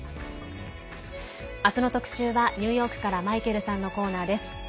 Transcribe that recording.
あすの特集はニューヨークからマイケルさんのコーナーです。